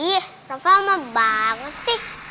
ih rafa ama banget sih